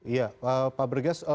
iya pak bergas